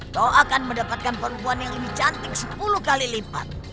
kau akan mendapatkan perempuan yang lebih cantik sepuluh kali lipat